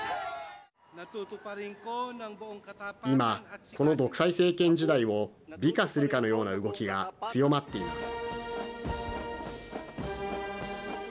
今、この独裁政権時代を美化するかのような動きが強まっています。